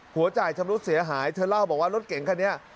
หัวจ่ายชำรุดเสียหายเธอเล่าบอกว่ารถเก่งคันนี้